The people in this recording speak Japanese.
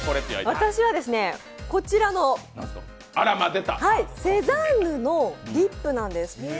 私はこちらのセザンヌのリップなんです。